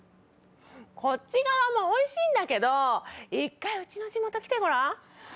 こっち側もおいしいんだけど１回うちの地元来てごらん？